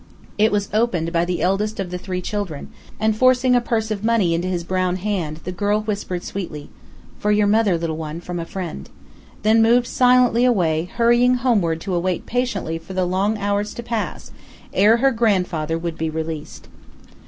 It was opened by the eldest of the three children, and forcing a purse of money into his brown hand, the girl whispered sweetly: "For your mother, little one; from a friend," then moved silently away, hurrying homeward to await patiently for the long hours to pass, ere her grandfather would be released.